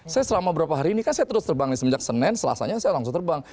saya selama berapa hari ini kan saya terus terbang nih semenjak senin selasanya saya langsung terbang